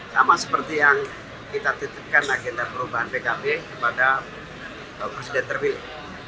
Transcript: sama seperti yang kita titipkan agenda perubahan pkb kepada presiden terpilih